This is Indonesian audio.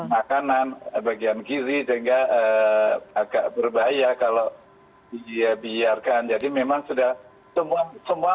begian makanan kebagian kiri sehingga agak berbahaya kalau dibiarkan jadi memang sudah semua